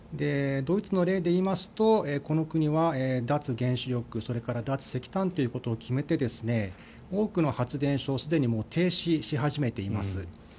ドイツの例で言いますとこの国は脱原子力それから脱石炭を決めて多くの発電所をすでに停止し始めています。